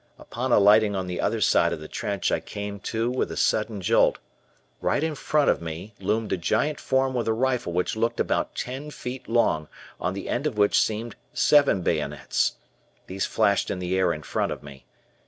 Upon alighting on the other side of the trench I came to with a sudden jolt. Right in front of me loomed a giant form with a rifle which looked about ten feet long, on the end of which seemed seven bayonets. These flashed in the air in front of me.